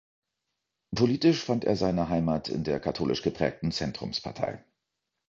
Politisch fand er seine Heimat in der katholisch geprägten Zentrumspartei.